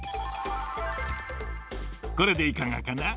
これでいかがかな。